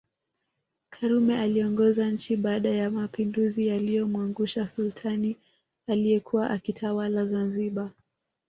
Karume aliongoza nchi baada ya mapinduzi yaliyomwangusha Sultani aliyekuwa akitawala Zanzibar